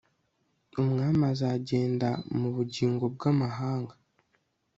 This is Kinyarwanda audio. Umwana azagenda mubugingo bwamahanga